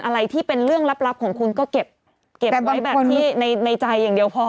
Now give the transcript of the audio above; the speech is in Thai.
อะไรที่เป็นเรื่องลับของคุณก็เก็บไว้แบบที่ในใจอย่างเดียวพอ